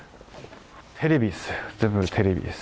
テレビです、全部テレビです。